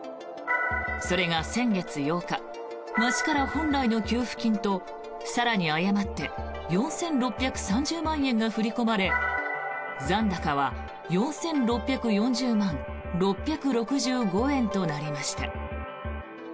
それが先月８日、町から本来の給付金と更に、誤って４６３０万円が振り込まれ残高は４６４０万６６５円となりました。